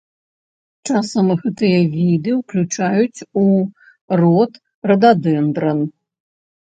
Часам гэтыя віды ўключаюць у род рададэндран.